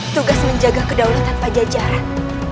tugas menjaga kedaulatan pajajaran